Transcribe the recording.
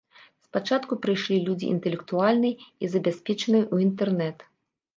Спачатку прыйшлі людзі інтэлектуальныя і забяспечаныя ў інтэрнэт.